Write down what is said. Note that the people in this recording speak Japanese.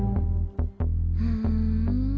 ふん。